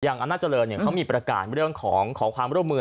อย่างอำนาจรณ์เขามีประกาศในเรื่องของความร่วมมือ